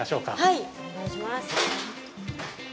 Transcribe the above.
はいお願いします。